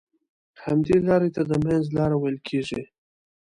همدې لارې ته د منځ لاره ويل کېږي.